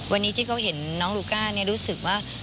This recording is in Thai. วันนี้ที่เขาเห็นน้องลูก้ารู้สึกว่า